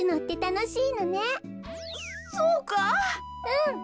うん。